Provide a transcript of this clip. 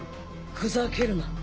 ふざけるな。